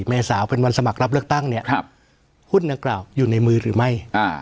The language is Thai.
เมษาเป็นวันสมัครรับเลือกตั้งเนี่ยหุ้นดังกล่าวอยู่ในมือหรือไม่